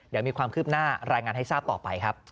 เดี๋ยวมีความคืบหน้ารายงานให้ทราบต่อไปครับ